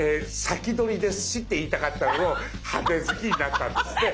先取りですしって言いたかったのを派手好きになったんですね。